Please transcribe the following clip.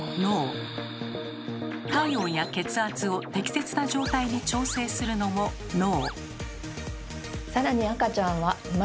体温や血圧を適切な状態に調整するのも脳。